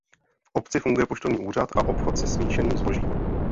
V obci funguje poštovní úřad a obchod se smíšeným zbožím.